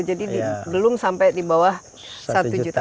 jadi belum sampai di bawah satu juta